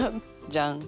じゃん。